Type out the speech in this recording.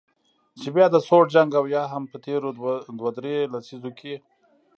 چې بیا د سوړ جنګ او یا هم په تیرو دوه درې لسیزو کې